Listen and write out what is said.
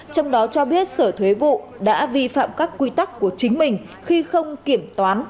trong đó cho biết sở thuế vụ đã vi phạm các quy tắc của chính mình khi không kiểm toán